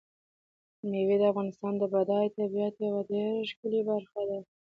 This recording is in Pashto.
مېوې د افغانستان د بډایه طبیعت یوه ډېره ښکلې برخه ده.